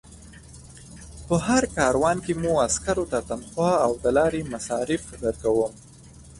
په هر کاروان کې مو عسکرو ته تنخوا او د لارې مصارف درکوم.